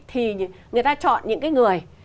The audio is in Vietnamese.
thì người ta chọn những cái người